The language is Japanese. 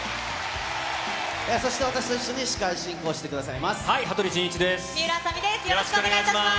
そして、私と一緒に司会進行してくださいます。